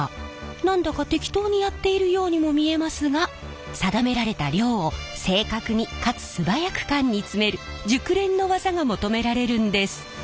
何だか適当にやっているようにも見えますが定められた量を正確にかつ素早く缶に詰める熟練の技が求められるんです。